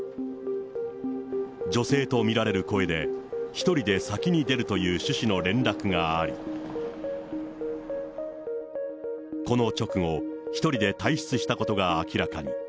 女性と見られる声で、１人で先に出るという趣旨の連絡があり、この直後、１人で退室したことが明らかに。